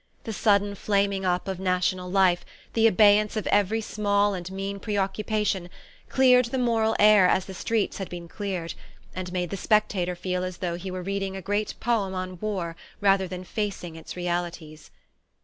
The sudden flaming up of national life, the abeyance of every small and mean preoccupation, cleared the moral air as the streets had been cleared, and made the spectator feel as though he were reading a great poem on War rather than facing its realities.